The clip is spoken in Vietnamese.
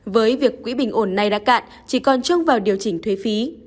với việc quỹ bình ổn này đã cạn chỉ còn trông vào điều chỉnh thuế phí